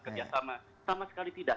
kerjasama sama sekali tidak